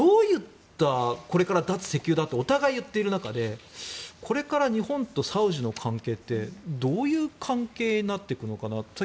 脱石油だとお互いに言っている中でこれから日本とサウジの関係ってどういう関係になっていくのかなと。